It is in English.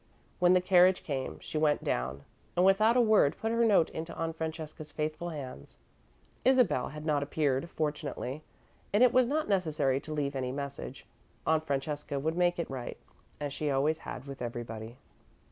When the carriage came, she went down, and, without a word put her note into Aunt Francesca's faithful hands. Isabel had not appeared, fortunately, and it was not necessary to leave any message Aunt Francesca would make it right, as she always had with everybody.